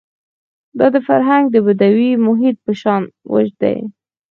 دا فرهنګ د بدوي محیط په شان وچ دی.